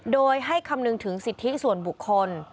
โดยให้คำนึงถึงสิทธิส่วนบุคคล